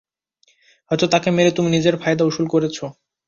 হয়ত তাকে মেরে তুমি নিজের ফায়দা উশুল করছো?